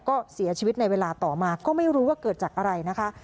ก็เสียชีวิตในเวลาต่อมาก็ไม่รู้ว่าเกิดจากอะไรนะคะ